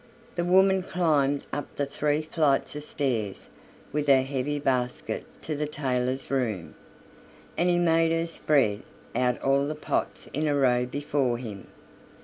The woman climbed up the three flights of stairs with her heavy basket to the tailor's room, and he made her spread out all the pots in a row before him.